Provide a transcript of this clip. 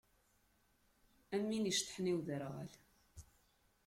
Am win i yeceṭṭḥen i uderɣal.